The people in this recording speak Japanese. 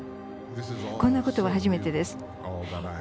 こんなことは初めてです。